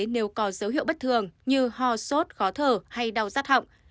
nếu có dấu hiệu bất thường như ho sốt khó thở hay đau rắt họng